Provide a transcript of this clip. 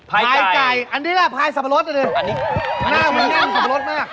พลายไก่อันนี้แหละพลายสับปะรดอันนี้หน้าเหมือนแน่นสับปะรดมาก